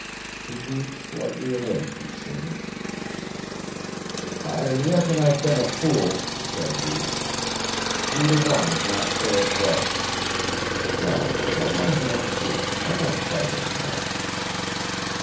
He moved slightly away from Simms. "I reckon I've been a fool," said he, "three to one is not fair play. Come, let my hands free, I won't fight any more."